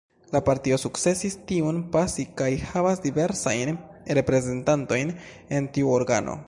La partio sukcesis tiun pasi kaj havas diversajn reprezentantojn en tiu organo.